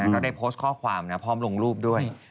ก็ได้โพสต์ข้อความพร้อมลงรูปด้วย